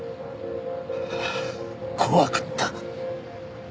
怖かった。